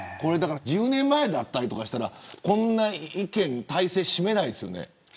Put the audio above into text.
１０年前だったりしたらこんな意見大勢を占めないですよね。